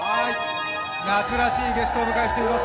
夏らしいゲストをお迎えしています。